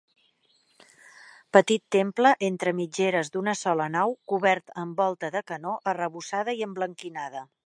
Petit temple entre mitgeres d'una sola nau, cobert amb volta de canó, arrebossada i emblanquinada.